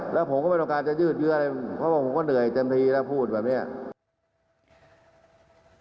แล้วผมก็ไม่ต้องการจะยืดเยอะอะไรเพราะว่าผมก็เหนื่อยเต็มทีแล้วพูดแบบนี้